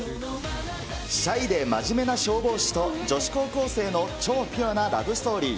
シャイで真面目な消防士と女子高校生の超ピュアなラブストーリー。